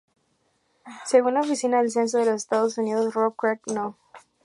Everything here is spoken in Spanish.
Según la Oficina del Censo de los Estados Unidos, Rock Creek No.